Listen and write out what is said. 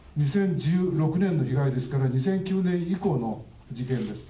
２０１６年の被害ですから、２００９年以降の事件です。